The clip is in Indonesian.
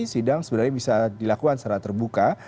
sidang sebenarnya bisa dilakukan secara terbuka